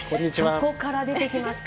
そこから出てきますか。